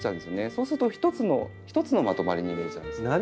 そうすると一つのまとまりに見えちゃうんですね。